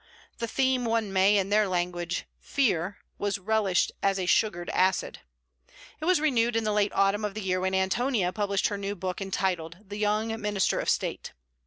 The theme, one may, in their language, 'fear,' was relished as a sugared acid. It was renewed in the late Autumn of the year, when ANTONIA published her new book, entitled THE YOUNG MINISTER of STATE.